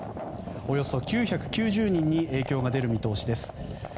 およそ９９０人に影響が出る見通しです。